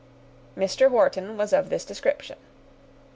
Mr. Wharton was of this description.